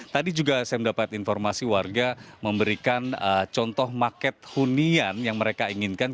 tadi juga saya mendapat informasi warga memberikan contoh market hunian yang mereka inginkan